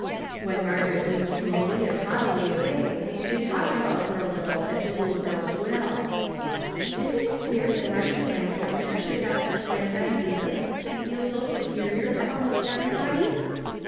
" When Margaret moved slowly and haughtily away, they talked about her a little, as school girls will. " Isn't it queer that Margie Lancaster should" have such grand ideas, and feel so superior to almost everybody?